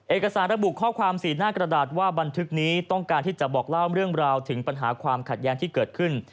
เอกสารระบุข้อความสีหน้ากระดาษว่าบันทึกนี้ต้องการที่จะบอกเล่าเรื่องราวถึงปัญหาความขัดแย้งที่เกิดขึ้น